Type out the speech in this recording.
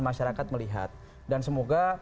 masyarakat melihat dan semoga